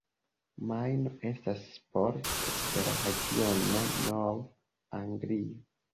Majno estas parto de la regiono Nov-Anglio.